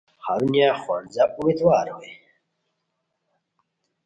ہرونیہ خونځا امیدوار ہوئے